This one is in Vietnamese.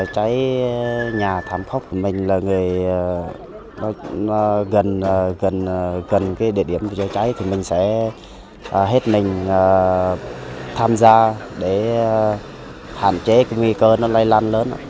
cháy nhà thảm khốc của mình là người gần địa điểm chữa cháy thì mình sẽ hết mình tham gia để hạn chế cái nguy cơ nó lây lan lớn